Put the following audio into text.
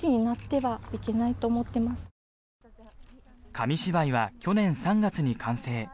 紙芝居は去年３月に完成。